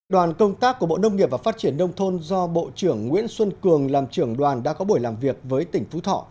đoàn công tác của bộ nông nghiệp và phát triển nông thôn do bộ trưởng nguyễn xuân cường làm trưởng đoàn đã có buổi làm việc với tỉnh phú thọ